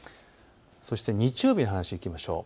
そして日曜日の話にいきましょう。